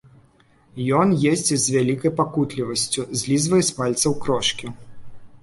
Ён есць з вялікай пакутлівасцю, злізвае з пальцаў крошкі.